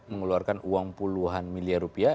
mengeluarkan uang puluhan miliar rupiah